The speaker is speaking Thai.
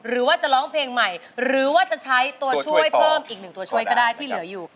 ร้องเพลงเก่งของคุณ